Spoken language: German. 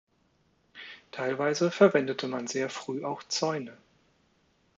Teilweise verwendete man sehr früh auch Zäune.